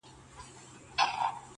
ما په سترګو خر لیدلی پر منبر دی.!